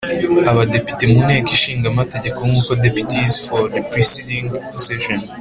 Abadepite mu Nteko Ishinga Amategeko nk uko Deputies for the preceding session